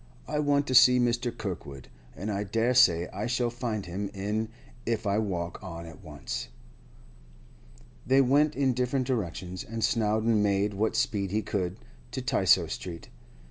'I want to see Mr. Kirkwood, and I dare say I shall find him in, if I walk on at once.' They went in different directions, and Snowdon made what speed he could to Tysoe Street.